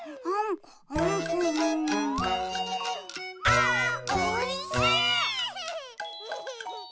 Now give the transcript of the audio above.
「あーおいしい！」